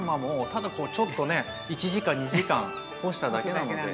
ただこうちょっとね１時間２時間干しただけなので。